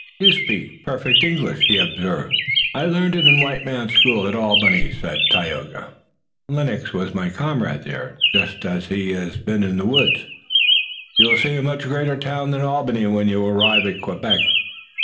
"You speak perfect English," he observed. "I learned it in a white man's school at Albany," said Tayoga. "Lennox was my comrade there, just as he has been in the woods." "You will see a much greater town than Albany when you arrive at Quebec.